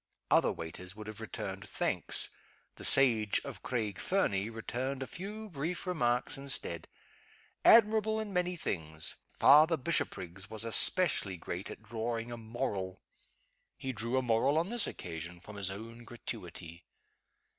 Other waiters would have returned thanks. The sage of Craig Fernie returned a few brief remarks instead. Admirable in many things, Father Bishopriggs was especially great at drawing a moral. He drew a moral on this occasion from his own gratuity.